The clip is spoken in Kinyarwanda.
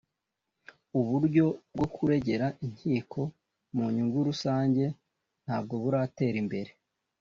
ubu buryo bwo kuregera inkiko mu nyungu rusange ntabwo buratera imbere